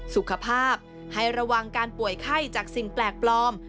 สุขภาพให้ระวังการป่วยไข้จากสิ่งแปลกปลอม